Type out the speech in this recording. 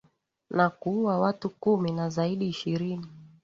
na kuua watu kumi na zaidi ishirini